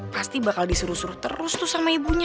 pasti bakal disuruh suruh terus tuh sama ibunya